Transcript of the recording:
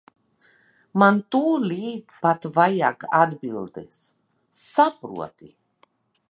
Man tūlīt pat vajag atbildes, saproti.